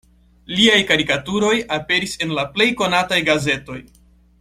Liaj karikaturoj aperis en la plej konataj gazetoj.